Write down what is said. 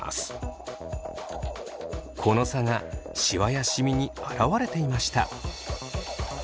この差がシワやシミに現れていました。